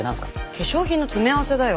化粧品の詰め合わせだよ。